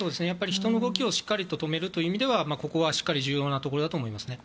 人の動きをしっかりと止めるという意味ではここは重要なところだと思います。